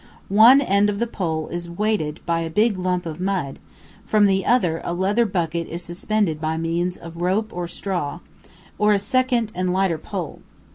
One end of the pole is weighted by a big lump of mud; from the other a leather bucket is suspended by means of a rope of straw, or a second and lighter pole.